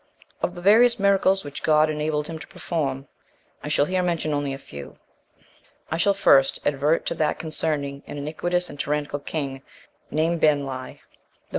Of the various miracles which God enabled him to perform, I shall here mention only a few: I shall first advert to that concerning an iniquitous and tyrannical king, named Benlli.